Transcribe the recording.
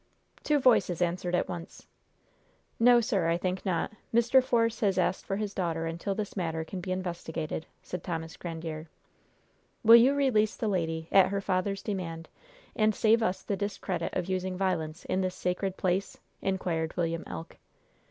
Two voices answered at once: "No, sir. I think not. Mr. Force has asked for his daughter until this matter can be investigated," said Thomas Grandiere. "Will you release the lady, at her father's demand, and save us the discredit of using violence in this sacred place?" inquired William Elk.